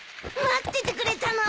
待っててくれたの！？